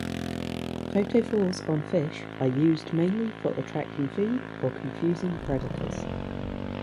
Photophores on fish are used mainly for attracting food or confusing predators.